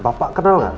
bapak kenal gak